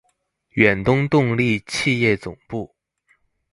遠東動力企業總部